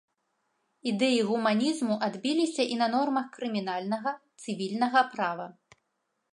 Ідэі гуманізму адбіліся і на нормах крымінальнага, цывільнага права.